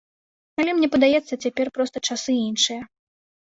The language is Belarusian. Але мне падаецца, цяпер проста часы іншыя.